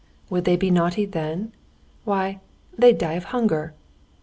Would they be naughty then? Why, they'd die of hunger!